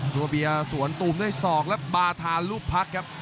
สวบียร์สวนตุ๋มด้วยศอกและบาธารูปพรรคครับ